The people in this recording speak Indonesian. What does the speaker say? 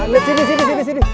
lihat sini sini sini